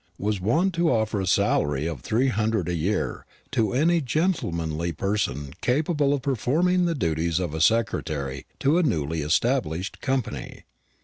was wont to offer a salary of three hundred a year to any gentlemanly person capable of performing the duties of secretary to a newly established company.